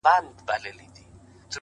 د كار نه دى نور ټوله شاعري ورځيني پاته ـ